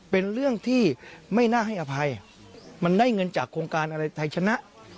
เป็นเรื่องที่ไม่น่าให้อภัยมันได้เงินจากโครงการอะไรไทยชนะ